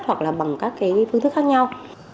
hoặc là bằng các cái phương thức khác nhau